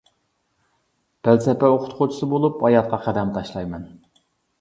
پەلسەپە ئوقۇتقۇچىسى بولۇپ ھاياتقا قەدەم تاشلايمەن.